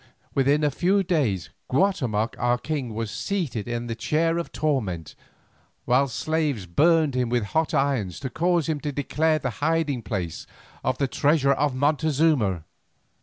Within a few days Guatemoc our king was seated in the chair of torment, while slaves burned him with hot irons to cause him to declare the hiding place of the treasure of Montezuma!